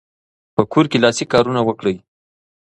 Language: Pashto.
په کور کې لاسي کارونه وکړئ.